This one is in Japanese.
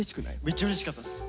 めっちゃうれしかったっす。